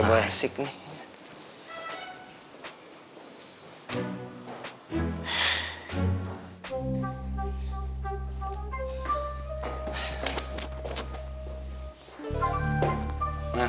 emang wirda itu mungkin punya tukang